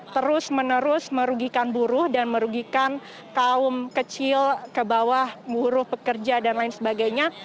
terus menerus merugikan buruh dan merugikan kaum kecil ke bawah buruh pekerja dan lain sebagainya